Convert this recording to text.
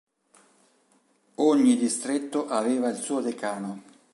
Ogni distretto aveva il suo Decano.